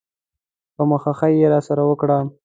په مخه ښې یې راسره وکړه.